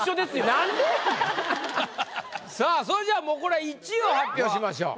さあそれじゃあもうこれは１位を発表しましょう。